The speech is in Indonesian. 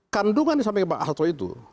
kandungan ini sampai bang harto itu